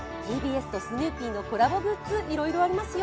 スヌーピーとＴＢＳのコラボグッズ、いろいろありますよ。